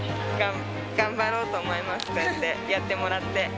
頑張ろうと思います、こうやって、やってもらって。